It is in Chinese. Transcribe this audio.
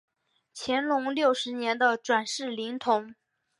乾隆六十年的转世灵童。